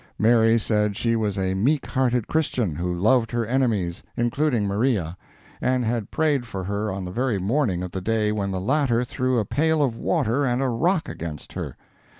Mary said she was a meek hearted Christian, who loved her enemies, including Maria, and had prayed for her on the very morning of the day when the latter threw a pail of water and a rock against her.